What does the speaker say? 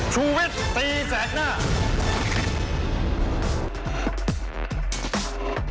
จำกัดที่เจ้าจะกระพดชรอบ